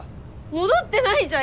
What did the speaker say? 戻ってないじゃん！